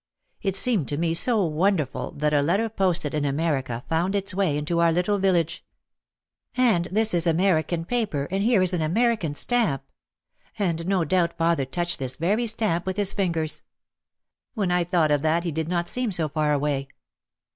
It seemed to me so wonderful that a letter posted in America found its way into our little village. "And this is American paper and here is an American stamp! And no doubt father touched this very stamp OUT OF THE SHADOW 27 with his fingers!" When I thought of that, he did not seem so far away.